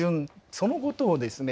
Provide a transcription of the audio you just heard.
そのことをですね